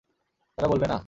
তারা বলবে, না।